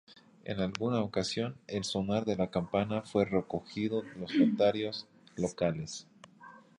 En alguna ocasión, el sonar de la campana fue recogido los notarios locales.